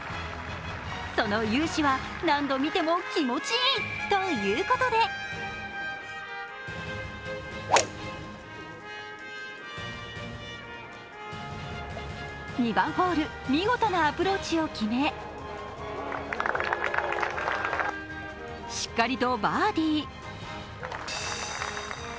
その雄姿は何度見ても気持ちいいということで２番ホール、見事なアプローチを決めしっかりとバーディー。